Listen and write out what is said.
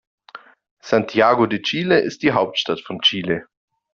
Santiago de Chile ist die Hauptstadt von Chile.